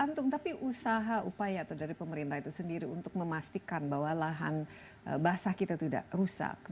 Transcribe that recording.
tergantung tapi usaha upaya atau dari pemerintah itu sendiri untuk memastikan bahwa lahan basah kita tidak rusak